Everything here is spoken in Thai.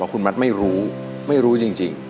คุณมัดไม่รู้ไม่รู้จริง